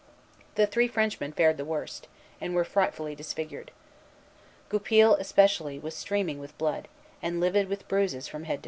The three Frenchmen had fared the worst, and were frightfully disfigured. Goupil, especially, was streaming with blood, and livid with bruises from head to foot.